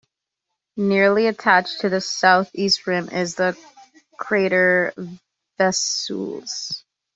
Nearly attached to the southeast rim is the crater Vesalius.